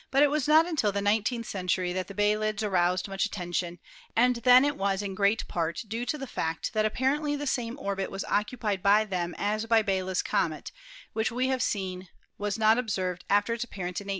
it was not until the nineteenth century that Bielids aroused much attention, and then it was in great part due to the fact that apparently the same orbit was occupied by them as by Biela's comet, which we have seen was not observed after its appearance in 1852.